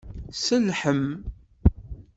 Sellḥen.